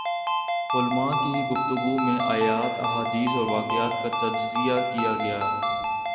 علماء کی گفتگو میں آیات ، احادیث اور واقعات کا تجزیہ کیا گیا